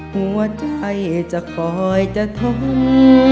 หัวใจจะคอยจะทน